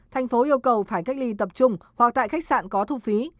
thành phố yêu cầu phải cách ly tập trung hoặc tại khách sạn có thu phí